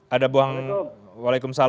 ada bang muhammad nasir jamil